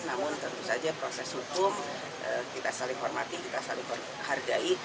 namun tentu saja proses hukum kita saling hormati kita saling hargai